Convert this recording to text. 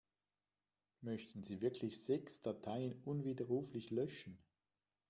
Möchten Sie wirklich sechs Dateien unwiderruflich löschen?